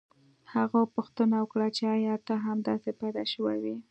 هغه پوښتنه وکړه چې ایا ته همداسې پیدا شوی وې